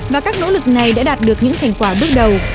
và các nỗ lực này đã đạt được những thành quả bước đầu